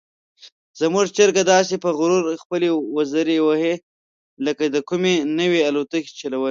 زموږ چرګه داسې په غرور خپلې وزرې وهي لکه د کومې نوې الوتکې چلول.